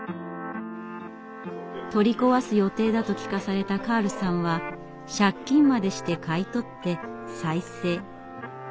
取り壊す予定だと聞かされたカールさんは借金までして買い取って再生。